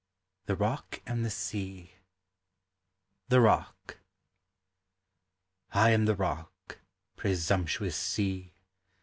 THE ROCK AND THE SEA. The Rock. I am the Rock, presumptuous Sea!